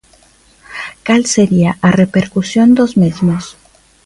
Cal sería a repercusión dos mesmos?